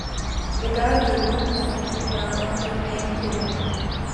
Les garde-boues ne sont plus peints, mais chromés.